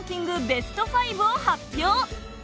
ベスト５を発表